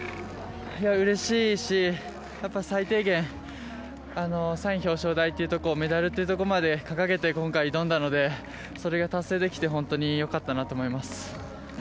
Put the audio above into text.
うれしいし、やっぱり最低限、３位表彰台、メダルというところまで掲げて今回挑んだので、それが達成できて本当によかったなと思います。